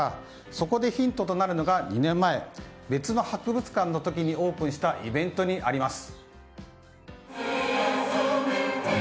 そこでヒントとなるのが、２年前別の博物館がオープンした時のイベントにあります。